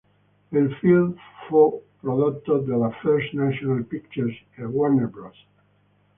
Il film fu prodotto dalla First National Pictures e Warner Bros.